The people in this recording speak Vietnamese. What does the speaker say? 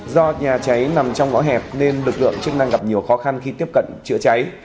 do nhà cháy nằm trong ngõ hẹp nên lực lượng chức năng gặp nhiều khó khăn khi tiếp cận chữa cháy